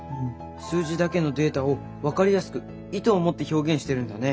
数字だけのデータを分かりやすく意図を持って表現してるんだね。